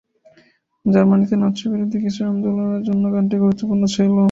জার্মানিতে নাৎসি বিরোধী কিছু আন্দোলনের জন্য গানটি গুরুত্বপূর্ণ ছিল।